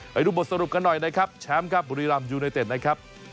ไปดูบทสรุปกันหน่อยนะครับแชมป์ครับบุรีรำยูไนเต็ดนะครับ